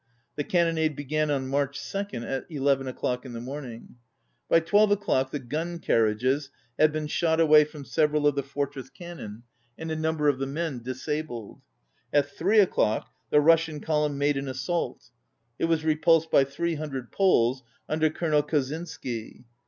The cannonade began on March 2, at 11 o'clock in the morn ing. By 12 o'clock the gun carriages had been shot away from several of the fortress cannon, and a number of the men disabled. At 3 o'clock the Russian column made an assault. It was repulsed by three hundred Poles under Colonel Koszynski.